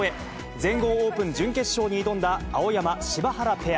全豪オープン準決勝に挑んだ青山・柴原ペア。